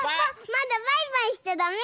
まだバイバイしちゃだめ！